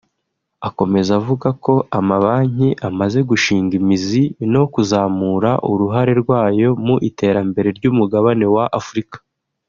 Akomeza avuga ko amabanki amaze gushinga imizi no kuzamura uruhare rwayo mu iterambere ry’Umugabane wa Afurika